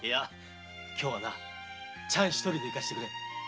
今日はなちゃん一人で行かせてくれ。